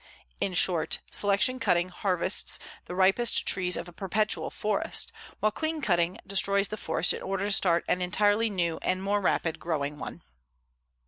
In short, selection cutting harvests the ripest trees of a perpetual forest, while clean cutting destroys the forest in order to start an entirely new and more rapid growing one.